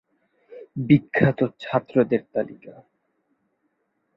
বিখ্যাত ছাত্রদের তালিকা